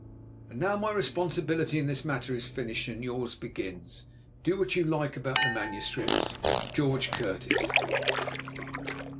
"And now my responsibility in this matter is finished and yours begins. Do what you like about the manuscripts." "George Curtis."